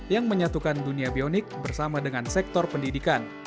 yang menyatukan dunia bionik bersama dengan sektor pendidikan